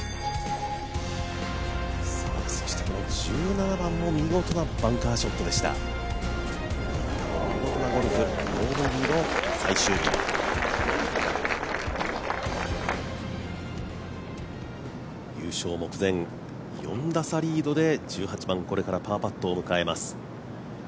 そしてこの１７番も見事なバンカーショットでした、岩田のゴルフ、ノーボギーの最終日優勝目前、４打差リードで１８番、これからパーパットを迎えます。